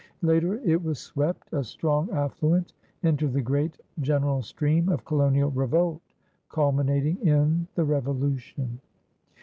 Later, it was swept, a strong affluent, into the great gene ral stream of colonial revolt, cuhninating in the Revolution.